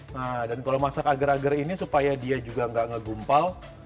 nah dan kalau masak agar agar ini supaya dia juga nggak ngegumpal